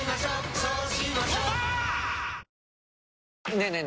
ねえねえ